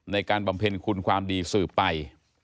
บำเพ็ญคุณความดีสืบไป